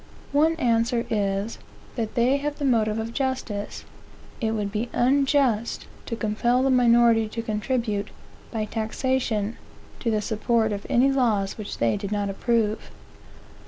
One answer is, that they have the motive of justice. It would be unjust to compel the minority to contribute, by taxation, to the support of any laws which they did not approve.